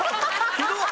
ひどい！